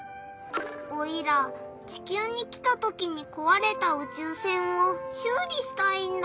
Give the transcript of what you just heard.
オイラ地きゅうに来たときにこわれたうちゅう船をしゅう理したいんだ。